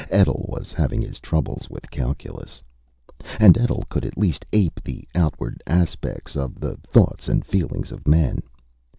Etl was having his troubles with calculus. And Etl could at least ape the outward aspects of the thoughts and feelings of men.